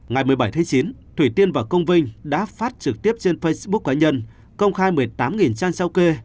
ngày một mươi bảy tháng chín thủy tiên và công vinh đã phát trực tiếp trên facebook cá nhân công khai một mươi tám trang sao kê